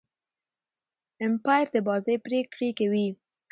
امپاير د بازۍ پرېکړي کوي.